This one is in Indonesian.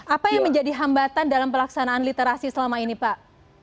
apa yang menjadi hambatan dalam pelaksanaan literasi selama ini pak